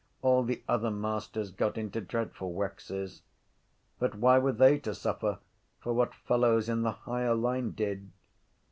All the other masters got into dreadful waxes. But why were they to suffer for what fellows in the higher line did?